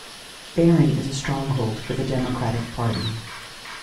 Baring is a stronghold for the Democratic Party.